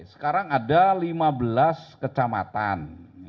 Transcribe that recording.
sekarang ada lima belas kecamatan